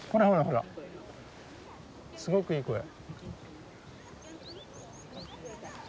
ほらすごくいい声。